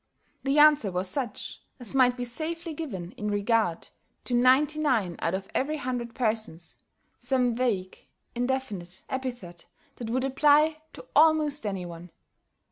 The answer was such as might be safely given in regard to ninety nine out of every hundred persons some vague, indefinite epithet that would apply to almost any one.